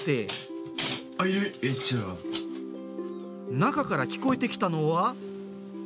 中から聞こえてきたのは。